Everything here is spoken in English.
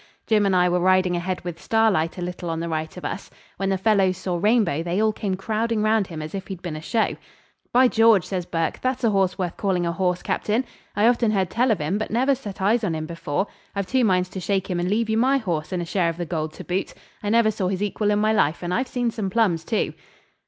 Jim and I were riding ahead with Starlight a little on the right of us. When the fellows saw Rainbow they all came crowding round him as if he'd been a show. 'By George!' says Burke, 'that's a horse worth calling a horse, Captain. I often heard tell of him, but never set eyes on him before. I've two minds to shake him and leave you my horse and a share of the gold to boot. I never saw his equal in my life, and I've seen some plums too.'